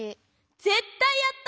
ぜったいやった！